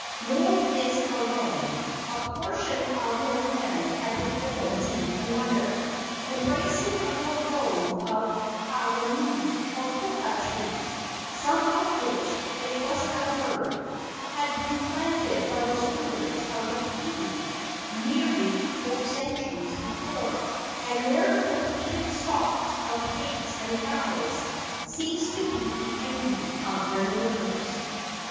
Nor this alone. A portion of their land had been given to another, embracing a little grove of hawane or cocoa trees, some of which, it was averred, had been planted by the stewards of Pili nearly four centuries before, and their depleted stocks of pigs and fowls ceased to be the envy of their neighbors.